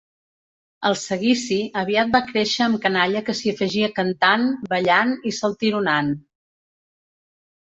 El seguici aviat va créixer amb canalla que s'hi afegia cantant, ballant i saltironant.